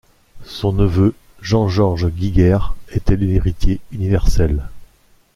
Son neveu Jean-George Guiguer était l’héritier universel.